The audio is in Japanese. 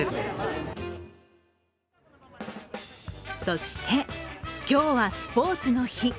そして今日はスポーツの日。